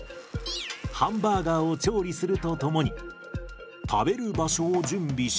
ハンバーガーを調理するとともに食べる場所を準備し。